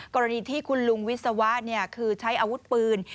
กรณีที่คุณลุงวิศวะคือใช้อาวุธปืน